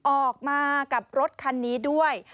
ออกมากับรถคันนี้ด้วย